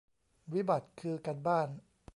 วิบัติคือการบ้าน